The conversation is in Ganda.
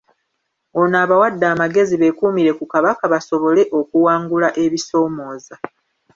Ono abawadde amagezi bekuumire ku Kabaka basobole okuwangula ebisomooza.